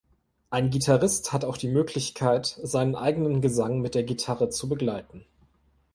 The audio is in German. Ein Gitarrist hat auch die Möglichkeit, seinen eigenen Gesang mit der Gitarre zu begleiten.